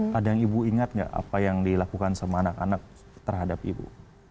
kadang ibu ingat nggak apa yang dilakukan sama anak anak terhadap ibu